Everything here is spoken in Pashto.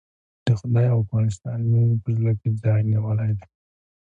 د خدای او افغانستان مينې په زړه کې ځای نيولی دی.